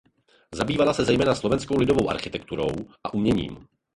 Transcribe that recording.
Zabývala se zejména slovenskou lidovou architekturou a uměním.